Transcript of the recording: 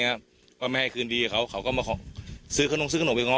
อย่างเงี้ยว่าไม่ให้คืนดีกับเขาเขาก็มาซื้อขนมซื้อขนมไปง้อ